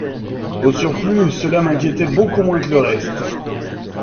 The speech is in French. Au surplus, cela m'inquiétait beaucoup moins que le reste.